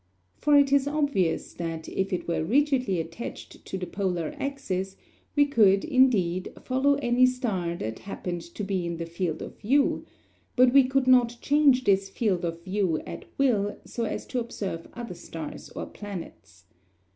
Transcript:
For it is obvious that if it were rigidly attached to the polar axis, we could, indeed, follow any star that happened to be in the field of view, but we could not change this field of view at will so as to observe other stars or planets.